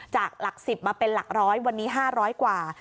จากหลัก๑๐มาเป็นหลักร้อยวันนี้๕๐๐กว่า